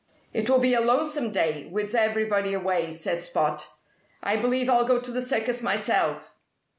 "It will be a lonesome day, with everybody away," said Spot. "I believe I'll go to the circus myself."